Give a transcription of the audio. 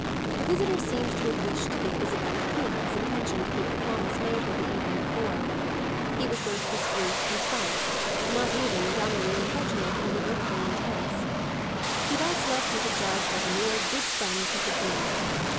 The visitor seemed to have wished to give Isabel a proof of his intention to keep the promise made her the evening before; he was both discreet and frank not even dumbly importunate or remotely intense. He thus left her to judge what a mere good friend he could be.